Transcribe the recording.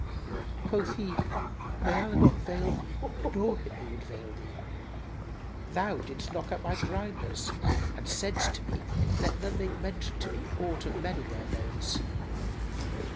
Quoth he, "May Allah not veil thee nor him who would veil thee! Thou didst knock out my grinders and saidst to me, 'Let none make mention to me aught of men and their ways!